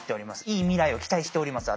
いい未来を期待しております